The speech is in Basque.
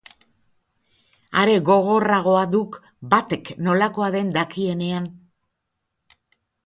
Are gogorragoa duk batek nolakoa den dakienean.